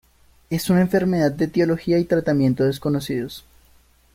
Es una enfermedad de etiología y tratamiento desconocidos.